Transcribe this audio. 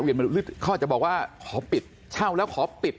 หรือเขาอาจจะบอกว่าขอปิดเช่าแล้วขอปิด